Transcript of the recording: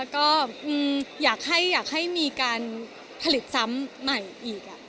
ก็อยากให้มีการผลิตซ้ำใหม่อีก